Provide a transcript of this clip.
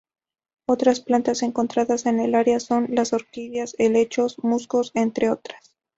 Otras plantas encontradas en el área son: las orquídeas, helechos y musgos, entre otras.